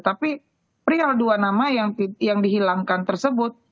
tapi perihal dua nama yang dihilangkan tersebut